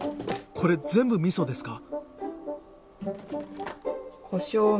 これ全部みそですか？